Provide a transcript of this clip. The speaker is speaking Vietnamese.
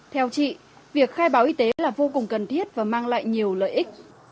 theo chị việc khai báo y tế là vô cùng cần thiết và mang lại nhiều lợi ích